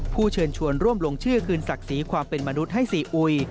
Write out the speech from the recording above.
เชิญชวนร่วมลงชื่อคืนศักดิ์ศรีความเป็นมนุษย์ให้ซีอุย